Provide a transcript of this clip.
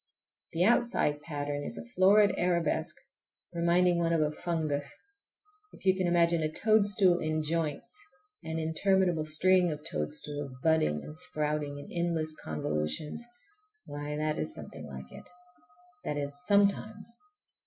The outside pattern is a florid arabesque, reminding one of a fungus. If you can imagine a toadstool in joints, an interminable string of toadstools, budding and sprouting in endless convolutions,—why, that is something like it. That is, sometimes!